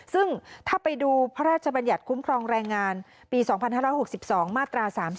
ซึ่งถ้าไปดูพระราชบัญญัติคุ้มครองแรงงานปี๒๕๖๒มาตรา๓๔